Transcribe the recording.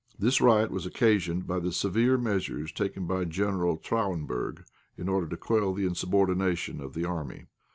This riot was occasioned by the severe measures taken by General Traubenberg, in order to quell the insubordination of the army.